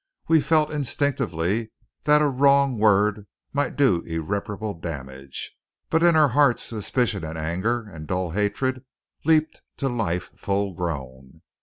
We felt instinctively that a wrong word might do irreparable damage. But in our hearts suspicion and anger and dull hatred leaped to life full grown.